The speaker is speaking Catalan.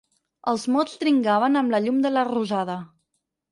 Els mots dringaven amb la llum de la rosada.